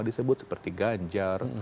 disebut seperti ganjar